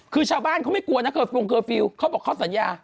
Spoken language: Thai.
คือชาวบ้านเขาไม่กลัวนะเคอร์ฟงเคอร์ฟิลล์เขาบอกเขาสัญญา